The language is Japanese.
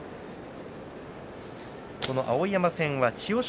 碧山戦は千代翔